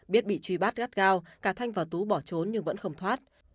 biết bị truy bắt gắt gao cả thanh và tú bỏ trốn nhưng vẫn không thoát